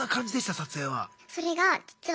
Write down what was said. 撮影は。